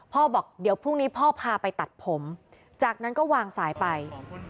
บอกเดี๋ยวพรุ่งนี้พ่อพาไปตัดผมจากนั้นก็วางสายไป